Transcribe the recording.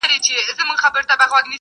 والوتل خوبونه تعبیرونو ته به څه وایو٫